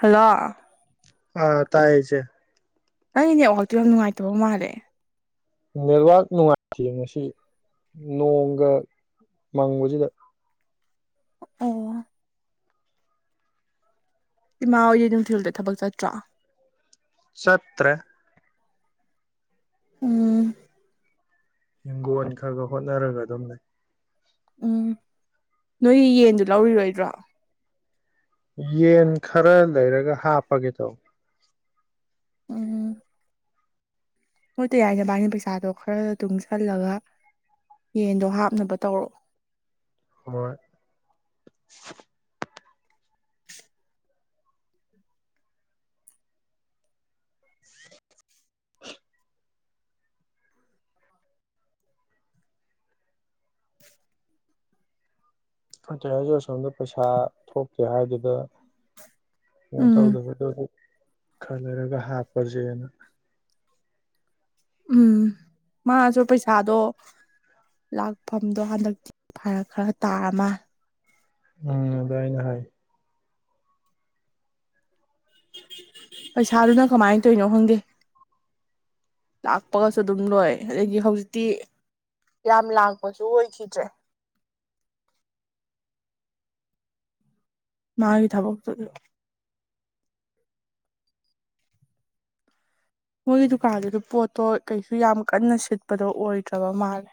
hello ꯑꯥ ꯇꯥꯏꯁ ꯅꯪ ꯏꯅꯦ ꯋꯥꯍꯥꯛꯇꯣ ꯌꯥꯝ ꯅꯨꯡꯉꯥꯏꯇꯕ ꯃꯥꯜꯂꯦ ꯅꯦꯠꯋꯥꯛ ꯅꯨꯡꯉꯥꯏꯇꯦ ꯉꯁꯤ ꯅꯣꯡꯒ ꯃꯪꯕꯁꯤꯗ ꯑꯣ ꯏꯃꯥ ꯍꯣꯏꯗꯤ ꯅꯨꯡꯊꯤꯜꯗ ꯊꯕꯛ ꯆꯠꯇ꯭ꯔꯣ ꯆꯠꯇ꯭ꯔꯦ ꯎꯝ ꯍꯤꯡꯒꯣꯟ ꯈꯔꯒ ꯍꯣꯠꯅꯔꯒ ꯑꯗꯨꯝ ꯂꯩ ꯎꯝ ꯅꯣꯏ ꯌꯦꯟꯗꯨ ꯂꯧꯔꯤꯔꯣꯏꯗ꯭ꯔꯣ ꯌꯦꯟ ꯈꯔ ꯂꯩꯔꯒ ꯍꯥꯞꯄꯒꯦ ꯇꯧꯅꯦ ꯍꯣꯏ ꯇꯌꯥꯏꯅꯕꯥꯟꯅꯤꯒꯤ ꯄꯩꯁꯥꯗꯣ ꯈꯔ ꯇꯨꯡꯁꯜꯂꯒ ꯌꯦꯟꯗꯣ ꯍꯥꯞꯅꯕ ꯇꯧꯔꯛꯑꯣ ꯍꯣꯏ [unintelligible] ꯇꯌꯥꯏꯁꯨ ꯑꯁꯣꯝꯗ ꯄꯩꯁꯥ ꯊꯣꯛꯀꯦ ꯍꯥꯏꯗꯨꯗ ꯎꯝ ꯇꯧꯗ ꯈꯜꯂꯔꯒ ꯍꯥꯞꯄꯁꯦꯅ ꯎꯝ ꯃꯥꯁꯨ ꯄꯩꯁꯥꯗꯣ ꯂꯥꯛꯐꯝꯗꯣ ꯍꯟꯗꯛꯇꯤ ꯐꯔꯛ ꯈꯔ ꯇꯥꯔꯃꯅꯦ ꯎꯝ ꯑꯗꯨꯃꯥꯏꯅ ꯍꯥꯏ ꯄꯩꯁꯥꯗꯨꯅ ꯀꯃꯥꯏꯅ ꯇꯧꯔꯤꯅꯣ ꯈꯪꯗꯦ ꯂꯥꯛꯄꯒꯁꯨ ꯑꯗꯨꯝ ꯂꯣꯏ ꯑꯗꯒꯤ ꯍꯧꯖꯤꯛꯇꯤ ꯌꯥꯝ ꯂꯥꯛꯄꯁꯨ ꯑꯣꯏꯈꯤꯗ꯭꯭ꯔꯦ ꯃꯥꯒꯤ ꯊꯕꯛꯇꯣ ꯃꯣꯏꯒꯤ ꯗꯨꯀꯥꯟꯗꯨꯗ ꯄꯣꯠꯇꯣ ꯀꯩꯁꯨ ꯌꯥꯝ ꯀꯟꯅ ꯁꯤꯠꯄꯗꯣ ꯑꯣꯏꯗ꯭ꯔꯕ ꯃꯥꯜꯂꯦ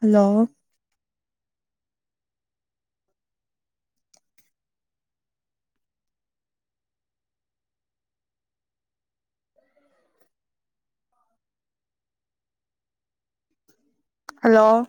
ꯍꯜꯂꯣ ꯍꯜꯂꯣ